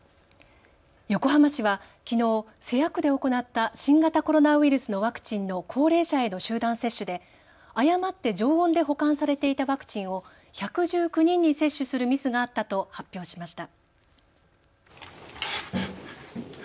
横浜市はきのう瀬谷区で行った新型コロナウイルスのワクチンの高齢者への集団接種で誤って常温で保管されていたワクチンを１１９人に接種するミスがあったと発表しました。